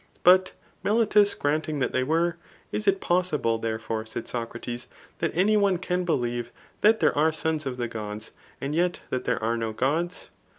But Melitus grant^ig that they w^e, h it possible, therefoiVf said Socrates, that any one c^n believe that there are sonf t£ the Gods, and yet that there are no Gods